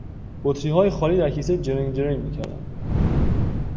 بطریهای خالی در کیسه جرنگ جرنگ میکردند.